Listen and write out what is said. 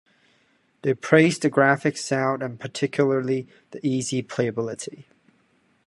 They praised the graphics, sound, and particularly the easy playability.